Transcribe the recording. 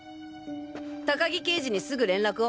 高木刑事にすぐ連絡を。